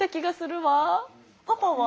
パパは？